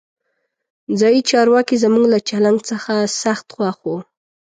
ځایي چارواکي زموږ له چلند څخه سخت خوښ وو.